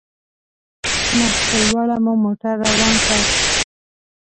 مخ په لوړه مو موټر روان کړ.